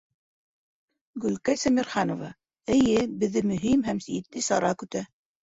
Гөлкәй Сәмерханова: Эйе, беҙҙе мөһим һәм етди сара көтә.